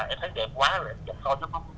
em thấy đẹp quá